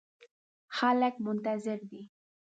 خلګ منتظر دي